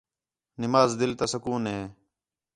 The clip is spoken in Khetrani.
نماز دِِل تا سکون ہِے